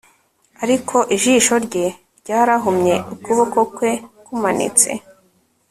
ariko ijisho rye ryarahumye; ukuboko kwe kumanitse